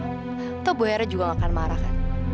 atau bu hera juga gak akan marah kan